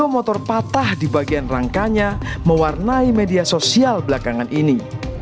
dua motor patah di bagian rangkanya mewarnai media sosial belakangan ini